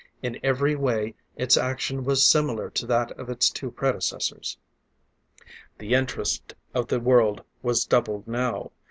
In every way its action was similar to that of its two predecessors. The interest of the world was doubled now.